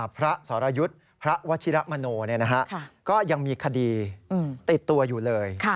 สรยุทธ์พระวชิระมโนก็ยังมีคดีติดตัวอยู่เลย